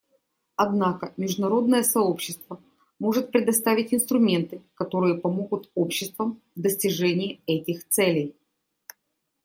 Однако международное сообщество может предоставить инструменты, которые помогут обществам в достижении этих целей.